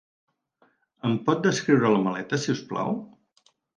Em pot descriure la maleta, si us plau?